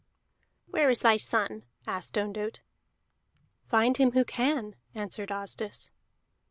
"Where is thy son?" asked Ondott. "Find him who can," answered Asdis.